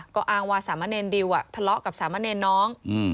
ก็อ้างว่าสามะเนรดิวทะเลาะกับสามะเนรน้อง